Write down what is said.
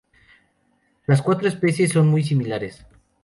Las cuatro especies son muy similares.